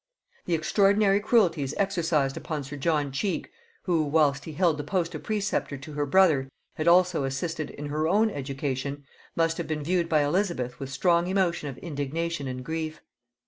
The extraordinary cruelties exercised upon sir John Cheke, who whilst he held the post of preceptor to her brother had also assisted in her own education, must have been viewed by Elizabeth with strong emotion of indignation and grief.